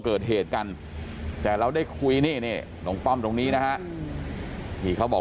เกิดเหตุกันแต่เราได้คุยนี่น้องป้อมตรงนี้นะฮะที่เขาบอก